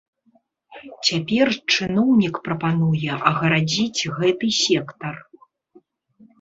Цяпер чыноўнік прапануе агарадзіць гэты сектар.